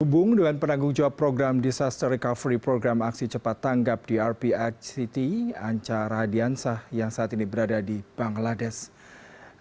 terhubung dengan penanggung jawab program disaster recovery program aksi cepat tanggap di rph city anca radiansah yang saat ini berada di bangladesh